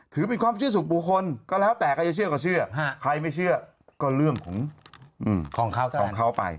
ถือเป็นความเชื่อสู่บุคคลก็แล้วแต่ใครจะเชื่อก็เชื่อใครไม่เชื่อก็เรื่องของของเขาไป